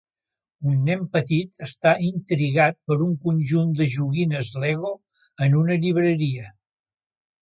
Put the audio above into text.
Un nen petit està intrigat per un conjunt de joguines Lego en una llibreria.